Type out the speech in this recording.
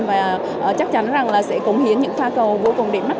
và chắc chắn rằng sẽ cống hiến những pha cầu vô cùng đỉnh mắt